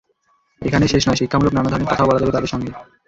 এখানেই শেষ নয়, শিক্ষামূলক নানা ধরনের কথাও বলা যাবে তাদের সঙ্গে।